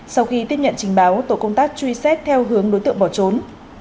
sau khi tiếp nhận trình báo tổ công tác truy xét theo hướng đối tượng bỏ trốn